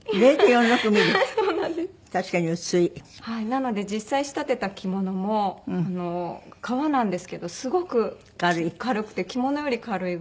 なので実際仕立てた着物も革なんですけどすごく軽くて着物より軽いぐらい。